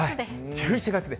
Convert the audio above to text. １１月で。